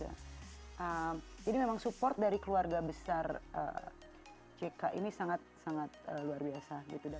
jadi memang support dari keluarga besar jk ini sangat sangat luar biasa